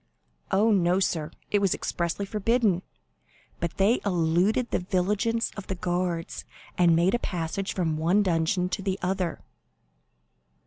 "Oh, no, sir, it was expressly forbidden; but they eluded the vigilance of the guards, and made a passage from one dungeon to the other."